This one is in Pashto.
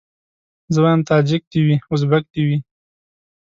زه وايم تاجک دي وي ازبک دي وي